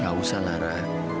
gak usah lara